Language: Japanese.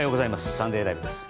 「サンデーＬＩＶＥ！！」です。